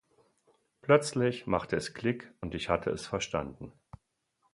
Plötzlich machte es Klick und ich hatte es verstanden.